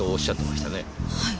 はい。